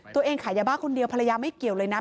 ขายยาบ้าคนเดียวภรรยาไม่เกี่ยวเลยนะ